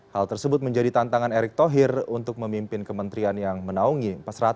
hal tersebut menjadi tantangan erick thohir untuk memimpin kementerian yang menaungi